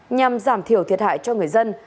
nhằm giảm thiểu thiệt hại cho người dân